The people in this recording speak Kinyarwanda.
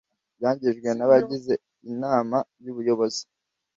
byangijwe n abagize inama y ubuyobozi